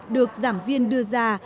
được giảng viên đưa ra